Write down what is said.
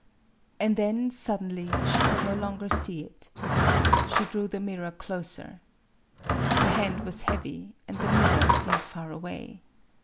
And then suddenly she could no longer see it. She drew the mirror closer. Her hand was heavy, and the mirror seemed far away.